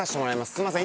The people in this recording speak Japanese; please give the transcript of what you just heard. すみません。